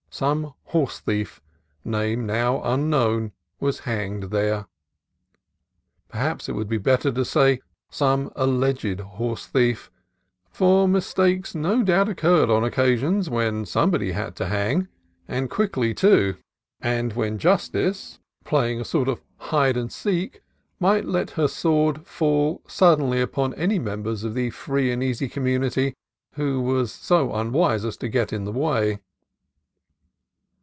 Some horsethief, name now un known, was hanged there. Perhaps it would be better to say, some alleged horsethief, for mistakes no doubt occurred on occasions when somebody had to hang, and quickly, too; and when Justice, playing 62 CALIFORNIA COAST TRAILS a sort of hide and seek, might let her sword fall sud denly upon any member of the free and easy com munity, who was so unwise as to get in the way.